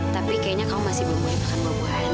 tapi kayaknya kamu masih belum boleh makan bubuhan